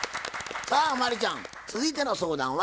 さあ真理ちゃん続いての相談は？